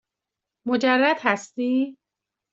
مجرد هستی؟